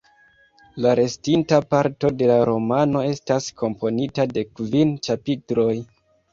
La restinta parto de la romano estas komponita de kvin ĉapitroj.